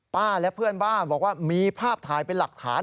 และเพื่อนบ้านบอกว่ามีภาพถ่ายเป็นหลักฐาน